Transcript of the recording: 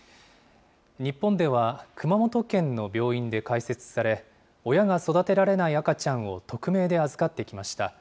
日本では熊本県の病院で開設され、親が育てられない赤ちゃんを匿名で預かってきました。